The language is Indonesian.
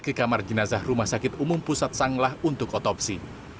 ke kamar jenazah rumah sakit umum pusat sanglah untuk otopsi